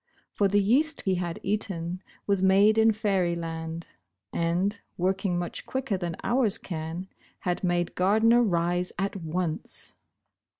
For the yeast he had eaten was made in fairyland, and, working much quicker than ours can, had made Gardner rise at once.